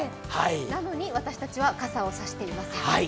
なのに私たちは傘を差していません。